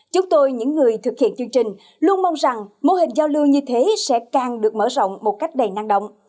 chúng tôi những người thực hiện chương trình luôn mong rằng mô hình giao lưu như thế sẽ càng được mở rộng một cách đầy năng động